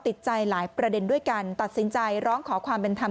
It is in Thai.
ที่ตัดสินใจหลายพิเศษประเด็นด้วยกันตัดสินใจล้อมขอความเป็นธรรม